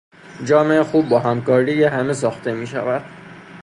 جامعه خوب با همکاری همه ساخته میشود.